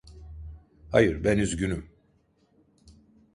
Hayır, ben üzgünüm.